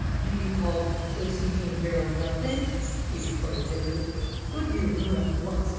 "Do you call placing me in peril nothing?" he retorted bitterly. "Go to your room at once.